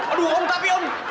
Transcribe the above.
aduh om tapi om